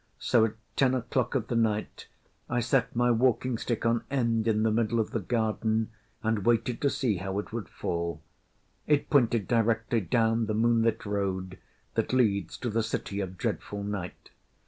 So, at ten o’clock of the night, I set my walking stick on end in the middle of the garden, and waited to see how it would fall. It pointed directly down the moonlit road that leads to the City of Dreadful Night.